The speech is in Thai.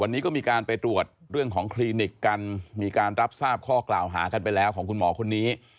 วันนี้ก็มีการไปตรวจเรื่องของคลินิกกันมีการรับทราบข้อกล่าวหากันไปแล้วของคุณหมอคนนี้